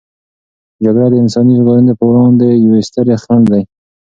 جګړه د انساني ژغورنې په وړاندې یوې سترې خنډ دی.